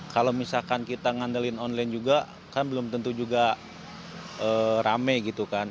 kalau misalkan kita ngandelin online juga kan belum tentu juga rame gitu kan